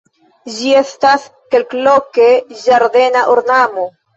Ĝi estas kelkloke ĝardena ornamo.